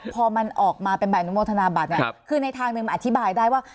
พอมันออกมาเป็นใบอนุโมทนาบัตรเนี่ยคือในทางหนึ่งมันอธิบายได้ว่า